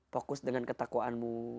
fokus dengan ketakuanmu